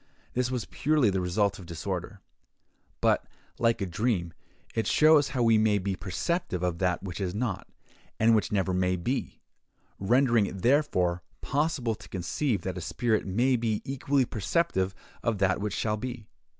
This was purely the result of disorder; but, like a dream, it shows how we may be perceptive of that which is not, and which never may be; rendering it, therefore, possible to conceive that a spirit may be equally perceptive of that which shall be.